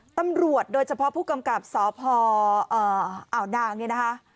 ตำรวจโดยเฉพาะผู้กำกับสพอ่าวนางเนี่ยนะคะ